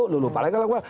lu lupa lagi kalau